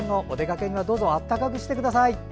お出かけにはどうぞ暖かくしてください。